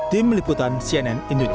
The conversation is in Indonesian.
tim liputan cnn indonesia